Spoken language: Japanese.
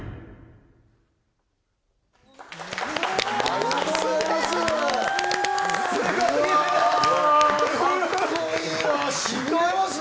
ありがとうございます！